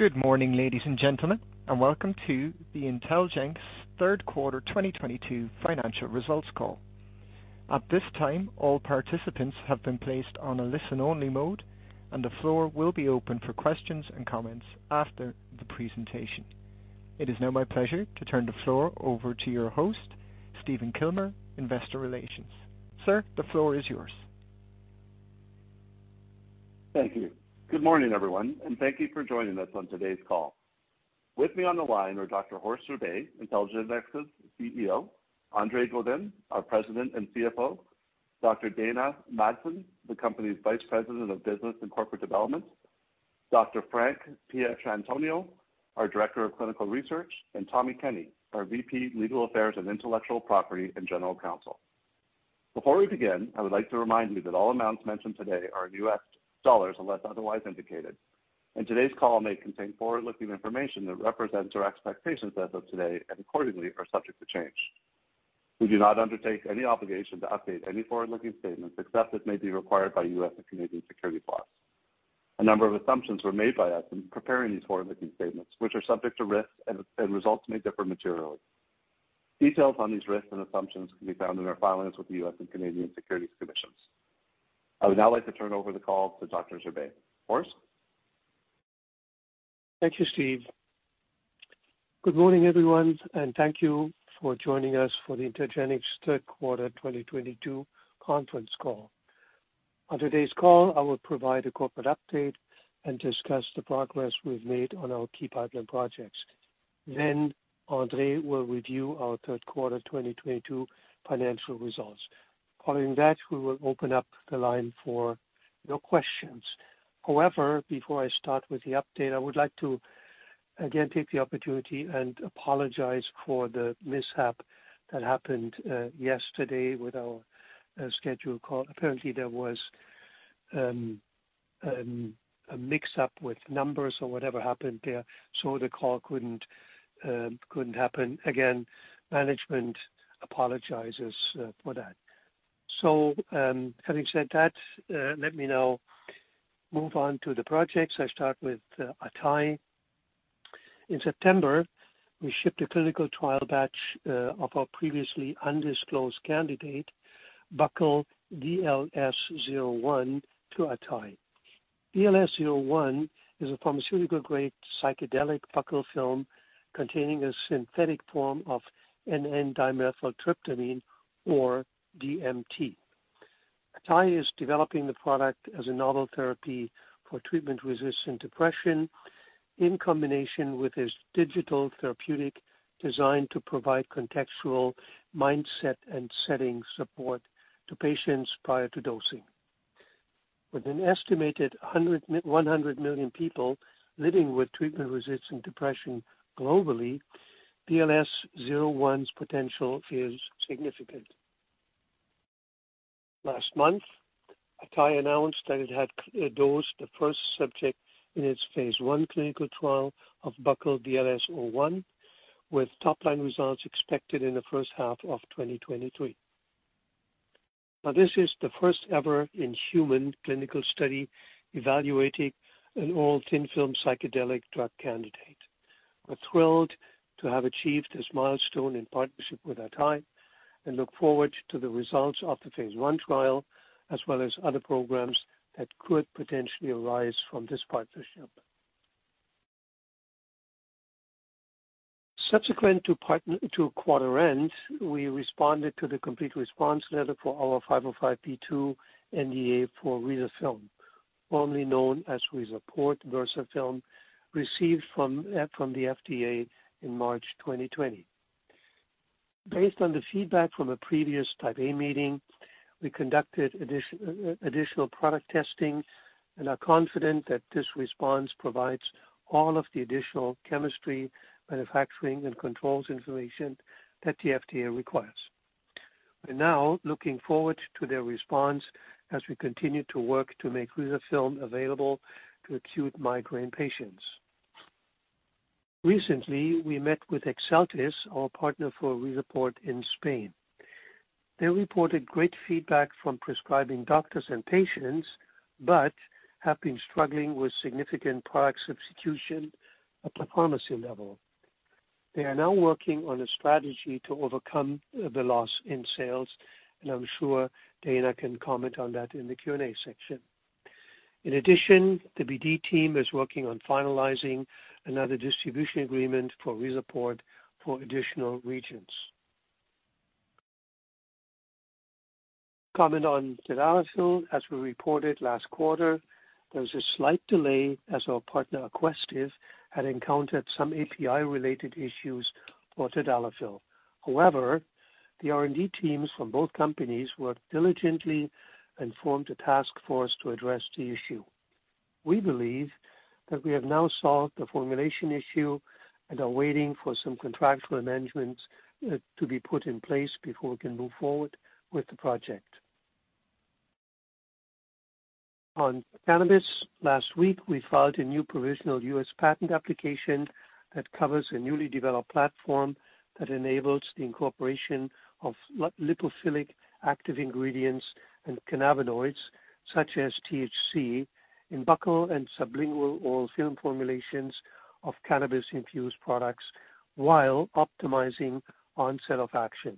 Good morning, ladies and gentlemen, and welcome to the IntelGenx's Third Quarter 2022 Financial Results Call. At this time, all participants have been placed on a listen-only mode, and the floor will be open for questions comments after the presentation. It is now my pleasure to turn the floor over to your host, Stephen Kilmer, Investor Relations. Sir, the floor is yours. Thank you. Good morning, everyone, and thank you for joining us on today's call. With me on the line are Dr. Horst Zerbe, IntelGenx's CEO, André Godin, our President and CFO, Dr. Dana Madsen, the company's Vice President of Business and Corporate Development, Dr. Frank Pietrantonio, our Director of Clinical Research, and Tommy Kenny, our VP, Legal Affairs and Intellectual Property, and General Counsel. Before we begin, I would like to remind you that all amounts mentioned today are in U.S. dollars unless otherwise indicated. Today's call may contain forward-looking information that represents our expectations as of today and accordingly are subject to change. We do not undertake any obligation to update any forward-looking statements except as may be required by U.S. and Canadian securities laws. A number of assumptions were made by us in preparing these forward-looking statements, which are subject to risks and results may differ materially. Details on these risks and assumptions can be found in our filings with the U.S. and Canadian Securities Commissions. I would now like to turn over the call to Dr. Zerbe. Horst. Thank you, Steve. Good morning, everyone, and thank you for joining us for the IntelGenx Third Quarter 2022 Conference Call. On today's call, I will provide a corporate update and discuss the progress we've made on our key pipeline projects. Then André will review our third quarter 2022 financial results. Following that, we will open up the line for your questions. However, before I start with the update, I would like to again take the opportunity and apologize for the mishap that happened yesterday with our scheduled call. Apparently, there was a mix up with numbers or whatever happened there, so the call couldn't happen. Again, management apologizes for that. Having said that, let me now move on to the projects. I start with ATAI. In September, we shipped a clinical trial batch of our previously undisclosed candidate, buccal VLS-01 to ATAI. VLS-01 is a pharmaceutical-grade psychedelic buccal film containing a synthetic form of N,N-dimethyltryptamine, or DMT. ATAI is developing the product as a novel therapy for treatment-resistant depression in combination with its digital therapeutic design to provide contextual mindset and setting support to patients prior to dosing. With an estimated 100 million people living with treatment-resistant depression globally, VLS-01's potential is significant. Last month, ATAI announced that it had dosed the first subject in its phase 1 clinical trial of buccal VLS-01, with top-line results expected in the first half of 2023. Now, this is the first ever in human clinical study evaluating an oral thin film psychedelic drug candidate. We're thrilled to have achieved this milestone in partnership with ATAI Life Sciences and look forward to the results of the phase 1 trial, as well as other programs that could potentially arise from this partnership. Subsequent to quarter end, we responded to the Complete Response Letter for our 505(b)(2) NDA for RizaFilm, formerly known as RIZAPORT VersaFilm, received from the FDA in March 2020. Based on the feedback from a previous Type A meeting, we conducted additional product testing and are confident that this response provides all of the additional chemistry, manufacturing, and controls information that the FDA requires. We're now looking forward to their response as we continue to work to make RizaFilm available to acute migraine patients. Recently, we met with Exeltis, our partner for RIZAPORT in Spain. They reported great feedback from prescribing doctors and patients, but have been struggling with significant product substitution at the pharmacy level. They are now working on a strategy to overcome the loss in sales, and I'm sure Dana can comment on that in the Q&A section. In addition, the BD team is working on finalizing another distribution agreement for RIZAPORT for additional regions. Comment on Tadalafil. As we reported last quarter, there was a slight delay as our partner, Aquestive, had encountered some API-related issues for tadalafil. However, the R&D teams from both companies worked diligently and formed a task force to address the issue. We believe that we have now solved the formulation issue and are waiting for some contractual amendments to be put in place before we can move forward with the project. On cannabis, last week, we filed a new provisional U.S. patent application that covers a newly developed platform that enables the incorporation of lipophilic active ingredients and cannabinoids, such as THC in buccal and sublingual oral film formulations of cannabis infused products while optimizing onset of action.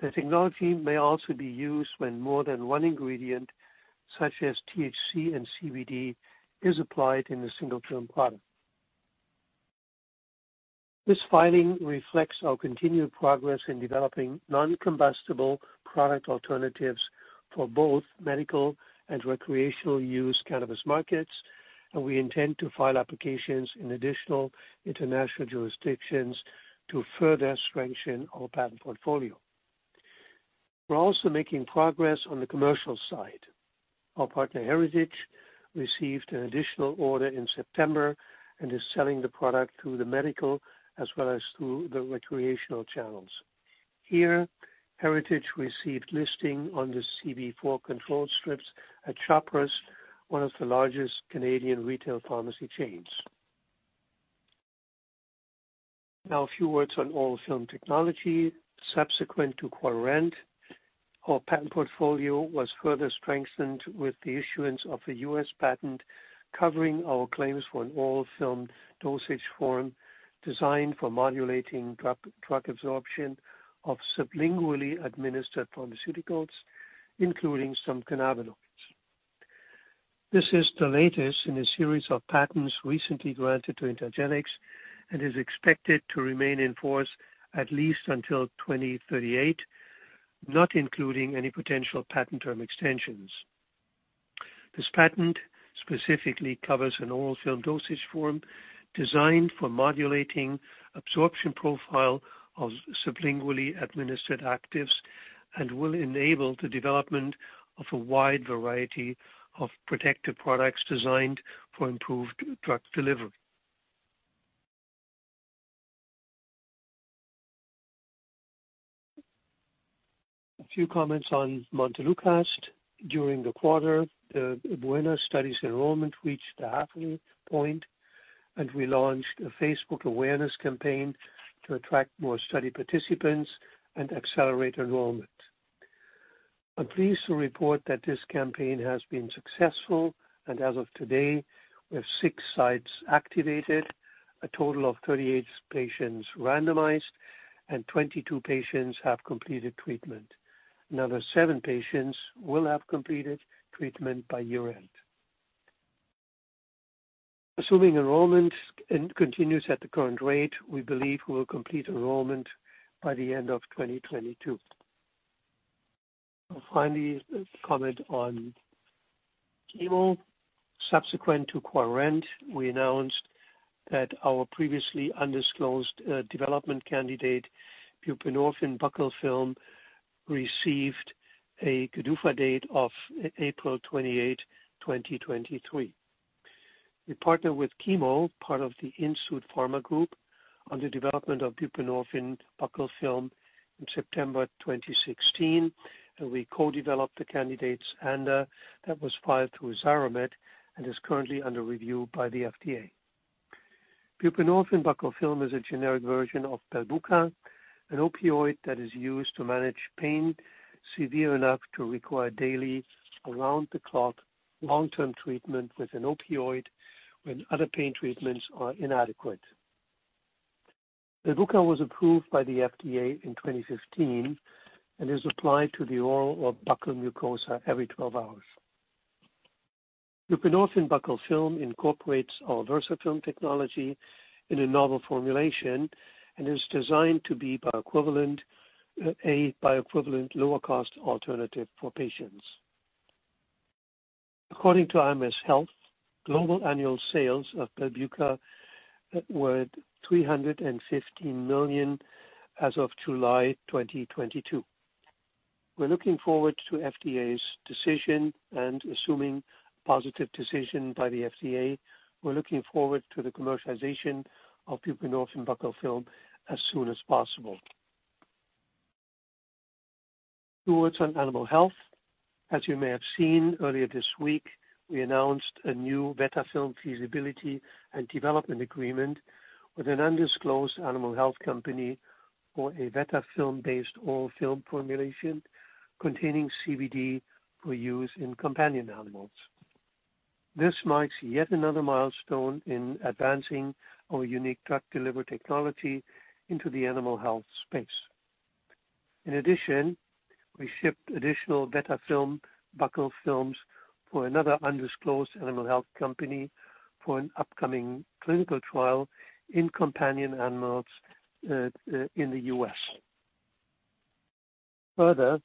The technology may also be used when more than one ingredient, such as THC and CBD, is applied in a single film product. This filing reflects our continued progress in developing non-combustible product alternatives for both medical and recreational use cannabis markets, and we intend to file applications in additional international jurisdictions to further strengthen our patent portfolio. We're also making progress on the commercial side. Our partner, Heritage, received an additional order in September and is selling the product through the medical as well as through the recreational channels. Heritage received listing on the CB4 Control Strips at Shoppers Drug Mart, one of the largest Canadian retail pharmacy chains. Now a few words on oral film technology. Subsequent to quarter end, our patent portfolio was further strengthened with the issuance of a U.S. patent covering our claims for an oral film dosage form designed for modulating drug absorption of sublingually administered pharmaceuticals, including some cannabinoids. This is the latest in a series of patents recently granted to IntelGenx and is expected to remain in force at least until 2038, not including any potential patent term extensions. This patent specifically covers an oral film dosage form designed for modulating absorption profile of sublingually administered actives and will enable the development of a wide variety of protected products designed for improved drug delivery. A few comments on Montelukast. During the quarter, the BUENA study's enrollment reached the halfway point, and we launched a Facebook awareness campaign to attract more study participants and accelerate enrollment. I'm pleased to report that this campaign has been successful, and as of today, we have six sites activated, a total of 38 patients randomized, and 22 patients have completed treatment. Another seven patients will have completed treatment by year-end. Assuming enrollment continues at the current rate, we believe we will complete enrollment by the end of 2022. Finally, a comment on Chemo. Subsequent to quarter end, we announced that our previously undisclosed development candidate, Buprenorphine Buccal Film, received a GDUFA date of April 28, 2023. We partnered with Chemo, part of the Insud Pharma Group, on the development of Buprenorphine Buccal Film in September 2016, and we co-developed the candidate's ANDA that was filed through Xiromed and is currently under review by the FDA. Buprenorphine Buccal Film is a generic version of Belbuca, an opioid that is used to manage pain severe enough to require daily around-the-clock long-term treatment with an opioid when other pain treatments are inadequate. Belbuca was approved by the FDA in 2015 and is applied to the oral or buccal mucosa every 12 hours. Buprenorphine Buccal Film incorporates our VersaFilm technology in a novel formulation and is designed to be bioequivalent, a bioequivalent lower cost alternative for patients. According to IMS Health, global annual sales of Belbuca were $350 million as of July 2022. We're looking forward to FDA's decision, and assuming positive decision by the FDA, we're looking forward to the commercialization of Buprenorphine Buccal Film as soon as possible. Two words on animal health. As you may have seen earlier this week, we announced a new VetaFilm feasibility and development agreement with an undisclosed animal health company for a VetaFilm-based oral film formulation containing CBD for use in companion animals. This marks yet another milestone in advancing our unique drug delivery technology into the animal health space. In addition, we shipped additional VetaFilm buccal films for another undisclosed animal health company for an upcoming clinical trial in companion animals, in the U.S. Further,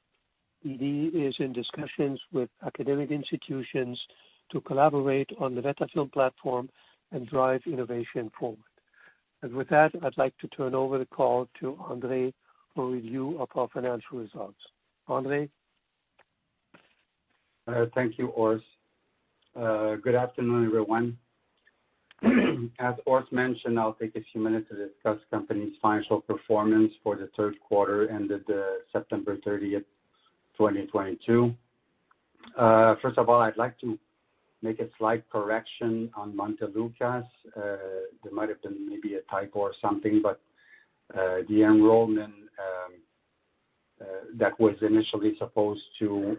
R&D is in discussions with academic institutions to collaborate on the VetaFilm platform and drive innovation forward. With that, I'd like to turn over the call to André for review of our financial results. André? Thank you Horst. Good afternoon, everyone. As Horst mentioned, I'll take a few minutes to discuss company's financial performance for the third quarter ended September 30, 2022. First of all, I'd like to make a slight correction on Montelukast. There might have been maybe a typo or something, but the enrollment that was initially supposed to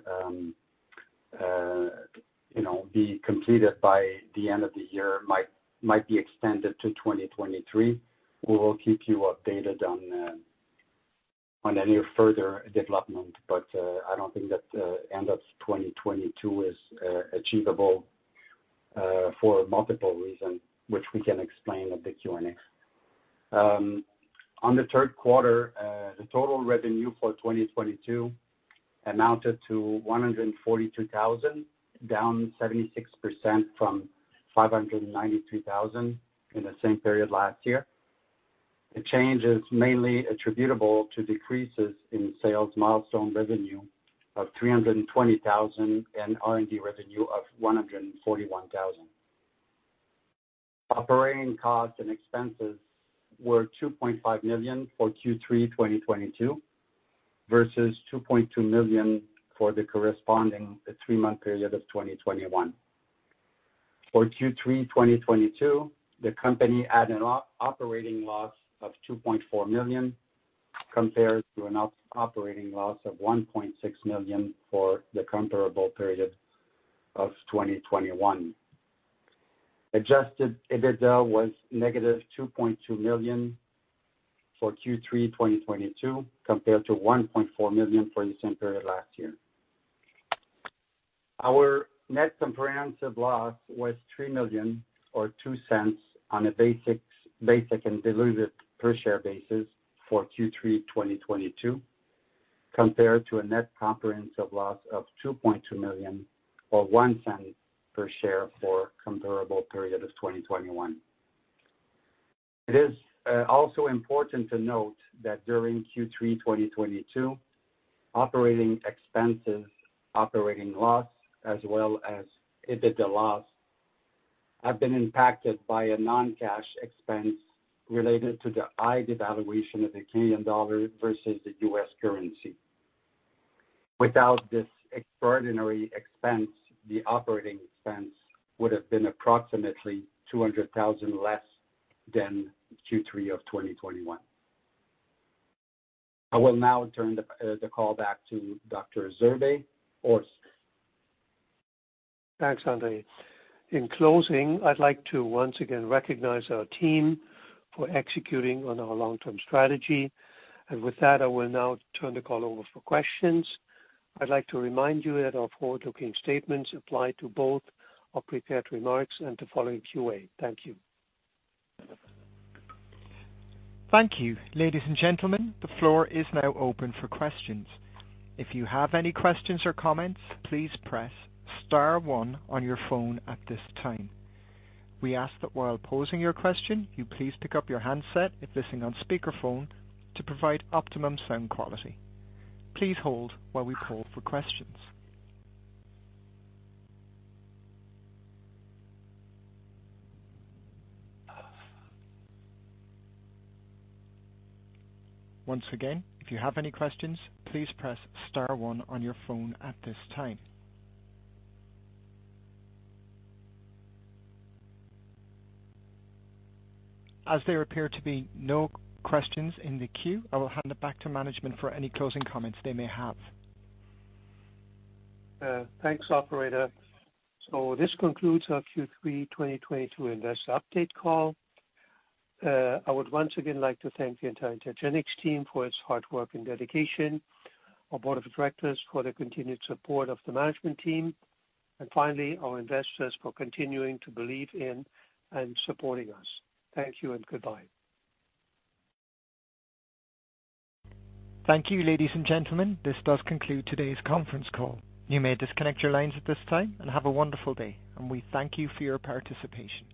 you know be completed by the end of the year might be extended to 2023. We will keep you updated on any further development, but I don't think that the end of 2022 is achievable for multiple reasons, which we can explain at the Q&A. On the third quarter, the total revenue for 2022 amounted to $142,000, down 76% from $593,000 in the same period last year. The change is mainly attributable to decreases in sales milestone revenue of $320,000 and R&D revenue of $141,000. Operating costs and expenses were $2.5 million for Q3 2022 versus $2.2 million for the corresponding three-month period of 2021. For Q3 2022, the company had an operating loss of $2.4 million compared to an operating loss of $1.6 million for the comparable period of 2021. Adjusted EBITDA was negative $2.2 million for Q3 2022 compared to $1.4 million for the same period last year. Our net comprehensive loss was $3 million or $0.02 on a basic and diluted per share basis for Q3 2022 compared to a net comprehensive loss of $2.2 million or $0.01 per share for comparable period of 2021. It is also important to note that during Q3 2022, operating expenses, operating loss, as well as EBITDA loss have been impacted by a non-cash expense related to the high devaluation of the Canadian dollar versus the US currency. Without this extraordinary expense, the operating expense would have been approximately $200,000 less than Q3 of 2021. I will now turn the call back to Dr. Zerbe. Horst. Thanks, André. In closing, I'd like to once again recognize our team for executing on our long-term strategy. With that, I will now turn the call over for questions. I'd like to remind you that our forward-looking statements apply to both our prepared remarks and the following QA. Thank you. Thank you. Ladies and gentlemen, the floor is now open for questions. If you have any questions or comments, please press star one on your phone at this time. We ask that while posing your question, you please pick up your handset if listening on speakerphone to provide optimum sound quality. Please hold while we call for questions. Once again, if you have any questions, please press star one on your phone at this time. As there appear to be no questions in the queue, I will hand it back to management for any closing comments they may have. Thanks, operator. This concludes our Q3 2022 investor update call. I would once again like to thank the entire IntelGenx team for its hard work and dedication, our board of directors for their continued support of the management team, and finally, our investors for continuing to believe in and supporting us. Thank you and goodbye. Thank you, ladies and gentlemen. This does conclude today's conference call. You may disconnect your lines at this time and have a wonderful day, and we thank you for your participation.